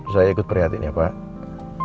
saya ikut perhatiannya pak